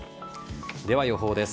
では予報です。